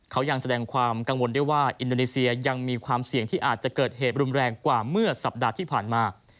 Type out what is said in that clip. เขายังแสดงความกังวลได้ว่าอินโดนีเซียยังมีความเสี่ยงที่อาจจะเกิดเหตุรุนแรงกว่าเมื่อสัปดาห์ที่ผ่านมา